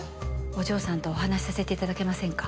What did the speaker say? お嬢さんとお話しさせて頂けませんか？